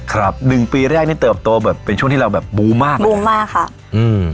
ครับหนึ่งปีแรกนี่เติบโตแบบเป็นช่วงที่เราแบบบูมมากบูมมากค่ะอืม